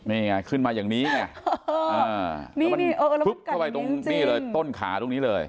นี่มันขึ้นมาอย่างนี้พึบเข้าไปต้นขาตรงนี้เลย